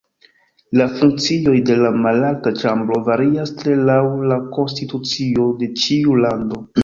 La funkcioj de la Malalta ĉambro varias tre laŭ la konstitucio de ĉiu lando.